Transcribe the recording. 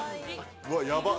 うわっやばっ！